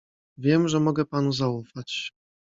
"Wiem, że mogę panu zaufać."